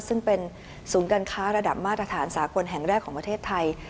ซึ่งเป็นศูนย์การค้าระดับมาตรฐานสากลแห่งแรกของประเทศไทย